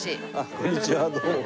こんにちはどうも。